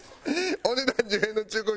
「お値段１０円の中古車